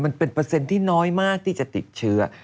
เปอร์เซ็นต์ที่น้อยมากที่จะติดเชื้อ